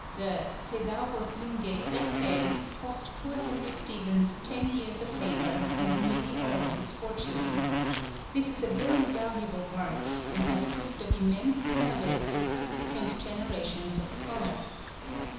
The Thesaurus Linguae Graecae cost poor Henry Stephens ten years of labour and nearly all his fortune. This is a very valuable work, and has proved of immense service to subsequent generations of scholars.